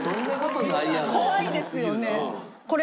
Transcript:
怖いですよね？